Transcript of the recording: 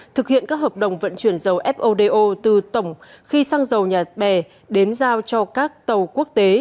thực hiện các hợp đồng vận chuyển dầu fodo từ tổng khi sang dầu nhà bè đến giao cho các tàu quốc tế